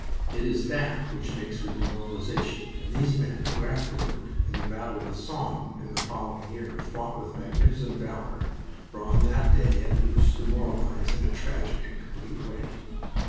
It is that which makes for demoralization, and these men, who afterward in the battle of the Somme in the following year fought with magnificent valor, were on that day at Loos demoralized in a tragic and complete way.